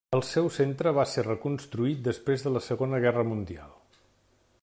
El seu centre va ser reconstruït després de la Segona Guerra Mundial.